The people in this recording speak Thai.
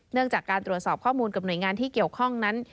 จากการตรวจสอบข้อมูลกับหน่วยงานที่เกี่ยวข้องนั้น